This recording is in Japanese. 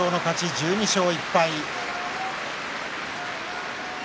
１２勝１敗。